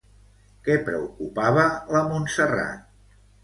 Què preocupava la Montserrat?